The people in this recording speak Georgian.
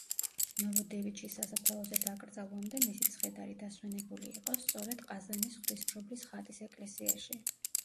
ნოვოდევიჩის სასაფლაოზე დაკრძალვამდე მისი ცხედარი დასვენებული იყო სწორედ ყაზანის ღვთისმშობლის ხატის ეკლესიაში.